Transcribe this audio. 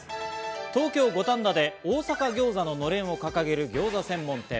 東京・五反田で大阪餃子ののれんを掲げるギョーザ専門店。